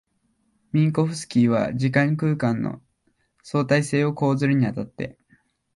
ミンコフスキーは時間空間の相対性を講ずるに当たって、